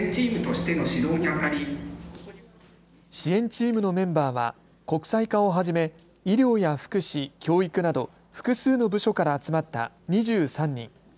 支援チームのメンバーは国際課をはじめ、医療や福祉、教育など複数の部署から集まった２３人。